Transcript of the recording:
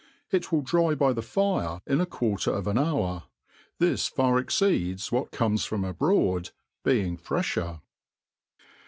It will dry by the foe i^, 1 quarter of an hour. This far exceeds what comei from abroad, being frefter.